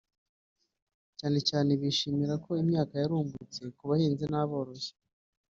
cyane cyane bishimira ko imyaka yarumbutse ku bahinzi n’aborozi